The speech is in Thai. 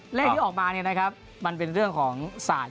เลขที่ออกมามันเป็นเรื่องของศาสตร์